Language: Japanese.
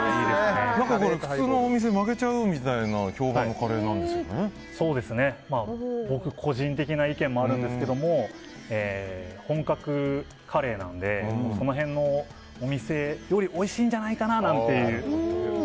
普通のお店が負けちゃうみたいな僕個人的な意見もあるんですけど本格カレーなのでその辺のお店よりおいしいんじゃないかなと。